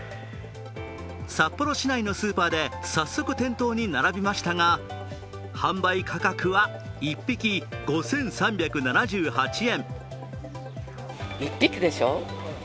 札幌市内のスーパーで早速店頭に並びましたが販売価格は１匹５３７８円。